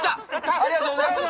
ありがとうございます！